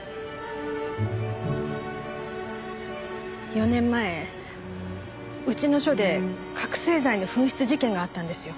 ４年前うちの署で覚醒剤の紛失事件があったんですよ。